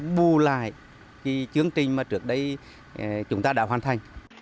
đặc biệt là khi chương trình mà trước đây chúng ta đã hoàn thành